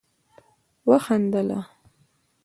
وخندله